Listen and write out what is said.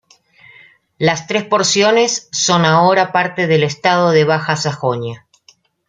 Las tres porciones son ahora parte del estado de Baja Sajonia.